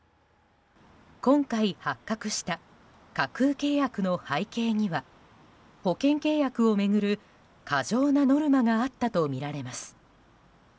今回発覚した架空契約の背景には保険契約を巡る、過剰なノルマがあったとみられます。